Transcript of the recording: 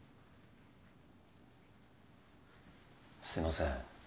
すいません